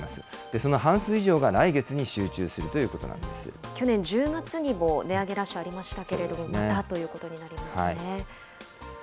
その半数以上が来月に集中すると去年１０月にも値上げラッシュありましたけれども、またということになりますね。